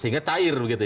sehingga cair begitu ya